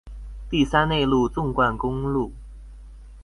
第三內陸縱貫公路